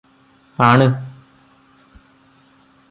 ആണ്